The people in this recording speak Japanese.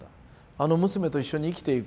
あの娘と一緒に生きていく。